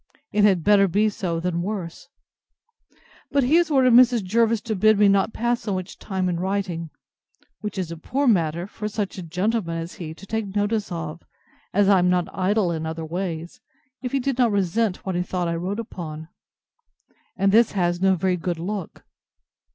It had better be so than worse! But he has ordered Mrs. Jervis to bid me not pass so much time in writing; which is a poor matter for such a gentleman as he to take notice of, as I am not idle other ways, if he did not resent what he thought I wrote upon. And this has no very good look.